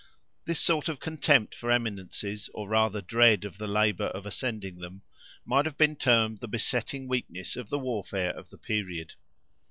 This sort of contempt for eminences, or rather dread of the labor of ascending them, might have been termed the besetting weakness of the warfare of the period.